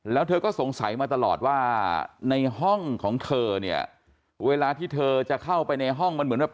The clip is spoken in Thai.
แล้วเธอก็สงสัยมาตลอดว่าในห้องของเธอเนี่ยเวลาที่เธอจะเข้าไปในห้องมันเหมือนแบบ